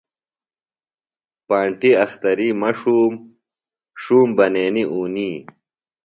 پانٹیۡ اختری مہ ݜُوم، ݜُوم ، بنینی اُونی